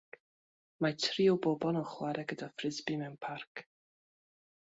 Mae tri o bobl yn chwarae gyda frisbi mewn parc.